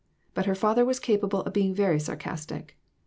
But her father was capable of being very sarcastic.